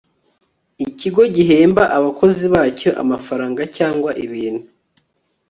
ikigo gihemba abakozi bacyo amafaranga cyangwa ibintu